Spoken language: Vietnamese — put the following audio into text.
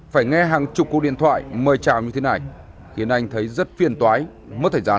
phải nghe hàng chục cuộc điện thoại mời chào như thế này khiến anh thấy rất phiền toái mất thời gian